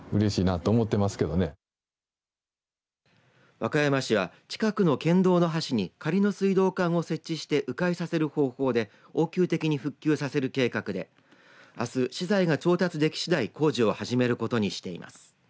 和歌山市は近くの県道の橋に仮の水道管を設置してう回させる方法で応急的に復旧させる計画であす、資材が調達できしだい工事を始めることにしています。